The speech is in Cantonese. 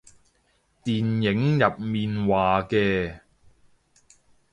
電影入面話嘅